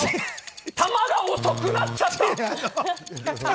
球が遅くなっちゃった。